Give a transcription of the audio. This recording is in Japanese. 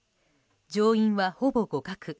上院はほぼ互角。